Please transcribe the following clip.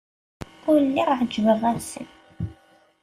Ur lliɣ ɛejbeɣ-asen.